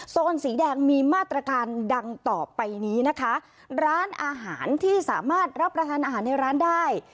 สีแดงมีมาตรการดังต่อไปนี้นะคะร้านอาหารที่สามารถรับประทานอาหารในร้านได้